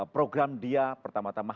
program dia pertama tama